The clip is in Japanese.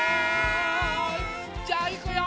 じゃあいくよ！